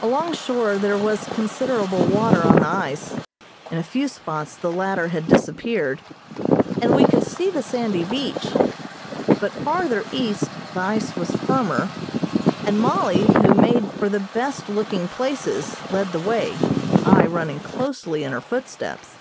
Along shore there was considerable water on the ice, in a few spots the latter had disappeared, and we could see the sandy beach, but farther east the ice was firmer, and Mollie, who made for the best looking places, led the way, I running closely in her footsteps.